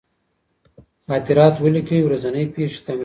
خاطرات ولیکئ، ورځني پېښې تمرین کړئ.